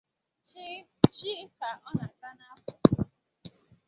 Chịịị chịịị ka ọ na-atà n'afọ